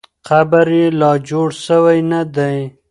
قبر یې لا جوړ سوی نه دی.